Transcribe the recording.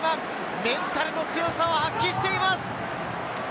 メンタルの強さを発揮しています。